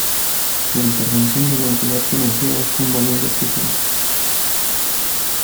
La intervención de la entidad financiera fue un balón de oxígeno.